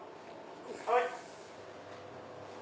はい。